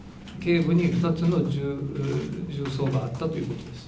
頸部に２つの銃創があったということです。